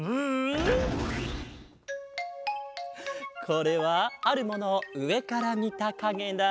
これはあるものをうえからみたかげだ。